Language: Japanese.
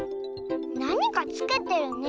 なにかつけてるね。